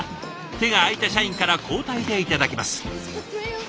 手が空いた社員から交代でいただきます。